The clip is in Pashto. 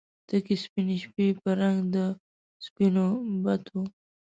تکې سپینې شپې په رنګ د سپینو بتو